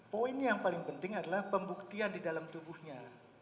poin yang paling penting adalah pembuktian di dalam tubuhnya